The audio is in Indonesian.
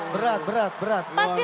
berat berat berat